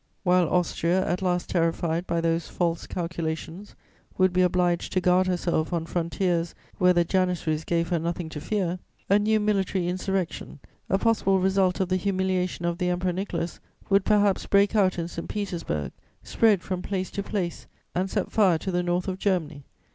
"While Austria, at last terrified by those false calculations, would be obliged to guard herself on frontiers where the janissaries gave her nothing to fear, a new military insurrection, a possible result of the humiliation of the Emperor Nicholas, would perhaps break out in St. Petersburg, spread from place to place, and set fire to the north of Germany.